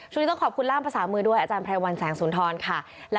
ช่วงนี้ต้องขอบคุณล่ามภาษามือด้วยอาจารย์ไพรวัลแสงสุนทรค่ะ